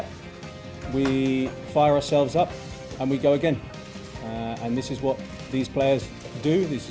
dan inilah yang dilakukan pemain ini inilah yang baik pemain ini